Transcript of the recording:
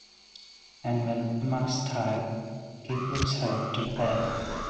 And when Emma's tired, he puts her to bed.